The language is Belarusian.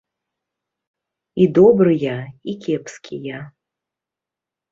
І добрыя, і кепскія.